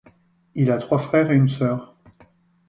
Il a trois frères et une sœur.